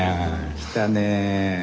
来たねえ。